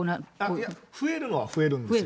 いや、増えるのは増えるんですよ。